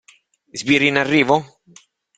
Sbirri in arrivo?